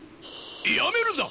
やめるんだ！